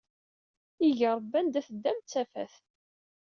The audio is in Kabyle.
Ig Rebbi anda i teddam d tafat.